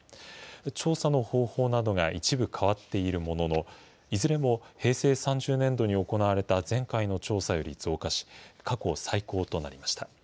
調査の方法などが一部変わっているものの、いずれも平成３０年度に行われた前回の調査より増加し、過去最高となりました。